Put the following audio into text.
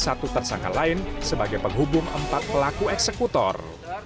satu tersangka lain sebagai penghubung empat pelaku eksekutor